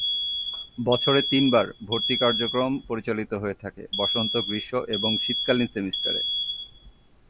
বছরে তিনবার ভর্তি কার্যক্রম পরিচালিত হয়ে থাকে বসন্ত, গ্রীষ্ম এবং শীতকালীন সেমিস্টারে।